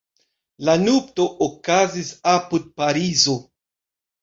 La nupto okazis apud Parizo.